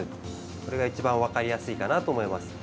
これが一番分かりやすいかなと思います。